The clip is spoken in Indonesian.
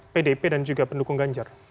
pdip dan juga pendukung ganjar